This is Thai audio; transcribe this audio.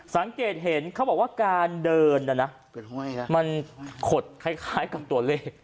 สังเกตเห็นเขาบอกว่าการเดินนะนะมันขดคล้ายกับตัวเลข